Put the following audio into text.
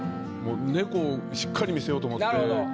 猫をしっかり見せようと思って。